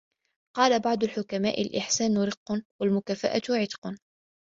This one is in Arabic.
قَالَ بَعْضُ الْحُكَمَاءِ الْإِحْسَانُ رِقٌّ ، وَالْمُكَافَأَةُ عِتْقٌ